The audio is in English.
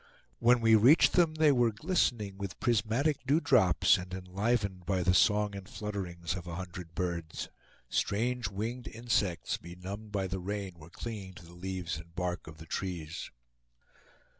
When we reached them, they were glistening with prismatic dewdrops, and enlivened by the song and flutterings of a hundred birds. Strange winged insects, benumbed by the rain, were clinging to the leaves and the bark of the trees.